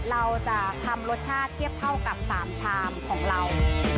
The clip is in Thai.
เราจะทำรสชาติเทียบเท่ากับ๓ชามของเรา